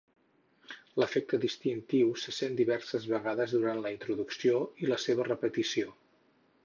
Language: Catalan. L'efecte distintiu se sent diverses vegades durant la introducció i la seva repetició.